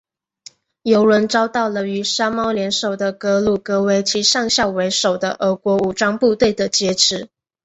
油轮遭到了与山猫联手的格鲁格维奇上校为首的俄国武装部队的劫持。